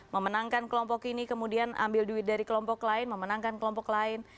memenangkan kelompok ini kemudian ambil duit dari kelompok lain memenangkan kelompok lain